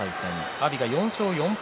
阿炎は４勝４敗。